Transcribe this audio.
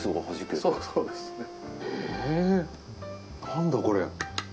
何だこれ。